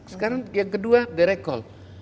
sekarang yang kedua direct call